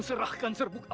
itu lagu yang pertama